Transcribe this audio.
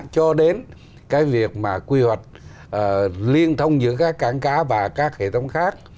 cho đến cái việc mà quy hoạch liên thông giữa các cảng cá và các hệ thống khác